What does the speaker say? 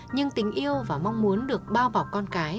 nhưng tình yêu và mong muốn được bao bọc con cái